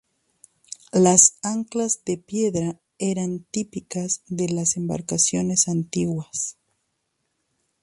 Las anclas de piedra eran típicas de las embarcaciones antiguas.